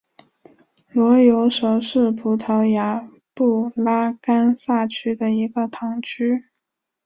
罗尤什是葡萄牙布拉干萨区的一个堂区。